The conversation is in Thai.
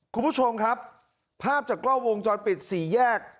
คุณผู้ชมครับภาพจากกล้อวงจรปิดสี่แยก